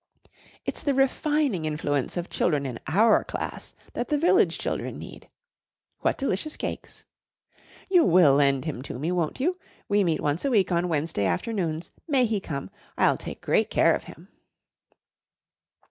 It's the refining influence of children in our class that the village children need. What delicious cakes. You will lend him to me, won't you? We meet once a week, on Wednesday afternoons. May he come? I'll take great care of him."